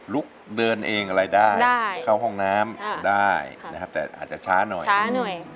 ลุกเดินเองอะไรได้เข้าห้องน้ำได้แต่อาจจะช้าหน่อย